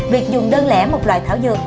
việc dùng đơn lẽ một loại thảo dược